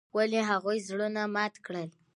ولې هغوي زړونه مات کړل.